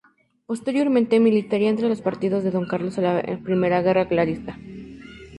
Posteriormente militaría entre los partidarios de don Carlos en la Primera Guerra Carlista.